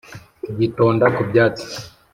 Gitonda ku byatsi